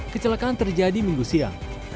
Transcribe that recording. kecelakaan terjadi minggu siang